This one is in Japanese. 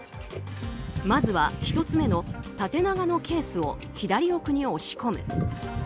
まずは１つ目の縦長のケースを左奥に押し込む。